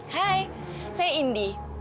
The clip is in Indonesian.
hai saya indi